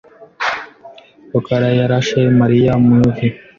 rukarayarashe Mariya mu ivi.